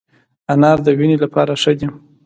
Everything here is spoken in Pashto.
انار د وینې لپاره ښه دی